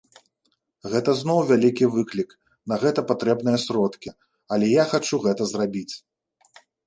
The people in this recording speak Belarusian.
Гэта зноў вялікі выклік, на гэта патрэбныя сродкі, але я хачу гэта зрабіць.